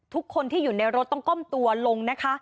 ทุกคนที่อยู่ในรถต้องก้มตัวลงนะคะ